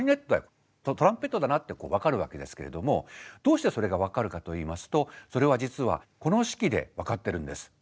これはトランペットだなって分かるわけですけれどもどうしてそれが分かるかといいますとそれは実はこの式で分かってるんです。